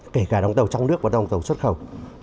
kể cả đóng tàu trong nước và đồng tàu xuất khẩu